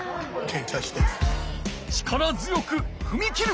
力強くふみ切る！